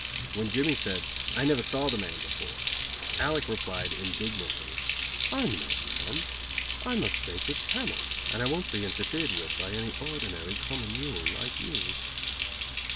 When Jimmy said: "I never saw the man before," Alec replied indignantly, "I'm no man. I'm a sacred camel, and I won't be interfered with by an ordinary, common mule, like you."